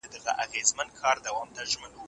عادتونه د تکرار پايله ده.